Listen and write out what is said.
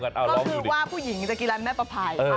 ก็คือว่าผู้หญิงจะกินร้านแม่ประภัย